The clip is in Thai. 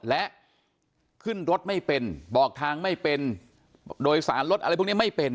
และขึ้นรถไม่เป็นบอกทางไม่เป็นโดยสารรถอะไรพวกนี้ไม่เป็น